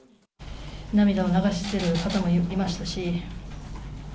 涙を流している方もいましたし。